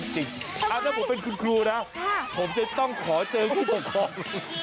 ถ้าผมเป็นคุณครูนะผมจะต้องขอเจอกับผู้ปกครอง